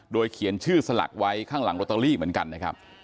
เขียนชื่อสลักไว้ข้างหลังโรตเตอรี่เหมือนกันนะครับ